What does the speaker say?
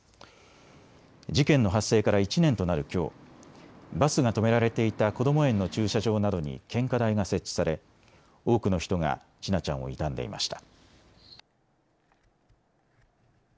事件の発生から１年となるきょう、バスが止められていたこども園の駐車場などに献花台が設置され多くの人が千奈ちゃんを悼んでいました。